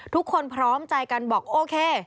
พร้อมใจกันบอกโอเค